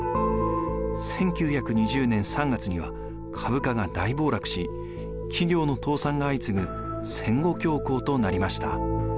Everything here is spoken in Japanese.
１９２０年３月には株価が大暴落し企業の倒産が相次ぐ戦後恐慌となりました。